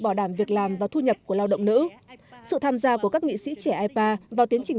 bỏ đảm việc làm và thu nhập của lao động nữ sự tham gia của các nghị sĩ trẻ ipa vào tiến trình